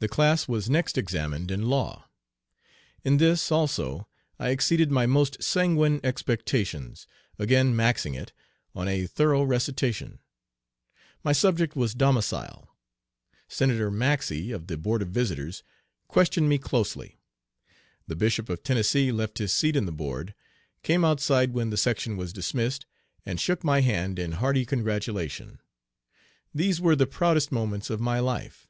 The class was next examined in law. In this, also, I exceeded my most sanguine expectations, again "maxing it" on a thorough recitation. My subject was "Domicile." Senator Maxey, of the Board of Visitors, questioned me closely. The Bishop of Tennessee left his seat in the board, came outside when the section was dismissed, and shook my hand in hearty congratulation. These were the proudest moments of my life.